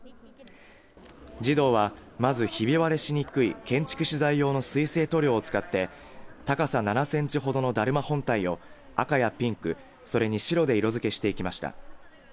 児童は、まずひび割れしにくい建築資材用の水性塗料を使って高さ７センチほどのだるま本体を赤やピンクそれに白で色付けをしていきました。